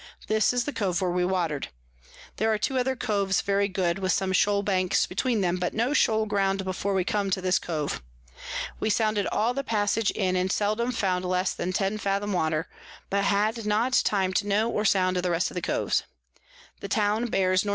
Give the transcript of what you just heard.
This is the Cove where we water'd. There are two other Coves very good, with some Shoal Banks between them, but no Shoal Ground before we come to this Cove. We sounded all the Passage in, and seldom found less than ten Fathom Water, but had not time to know or sound the rest of the Coves. The Town bears N E.